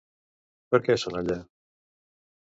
Per què són allà?